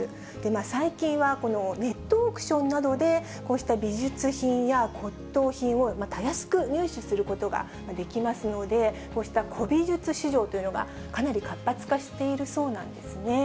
最近は、このネットオークションなどで、こうした美術品や骨とう品をたやすく入手することができますので、こうした古美術市場というのがかなり活発化しているそうなんですね。